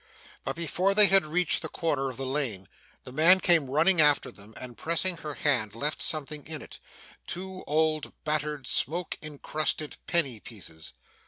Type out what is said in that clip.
But, before they had reached the corner of the lane, the man came running after them, and, pressing her hand, left something in it two old, battered, smoke encrusted penny pieces.